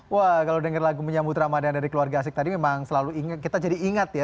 wah kalau denger lagu menyambut ramadan dari keluarga asik tadi memang selalu kita jadi ingat ya